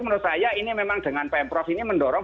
menurut saya ini memang dengan pemprov ini mendorong